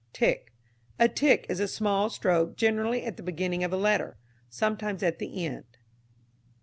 Tick. A tick is a small stroke generally at the beginning of a letter, sometimes at the end.